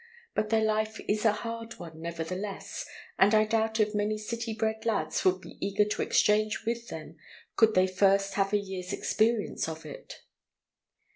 But their life is a hard one, nevertheless, and I doubt if many city bred lads would be eager to exchange with them, could they first have a year's experience of it.